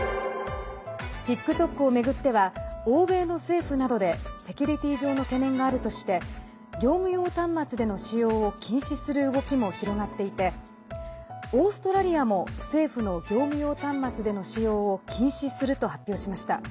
ＴｉｋＴｏｋを巡っては欧米の政府などでセキュリティー上の懸念があるとして業務用端末での使用を禁止する動きも広がっていてオーストラリアも政府の業務用端末での使用を禁止すると発表しました。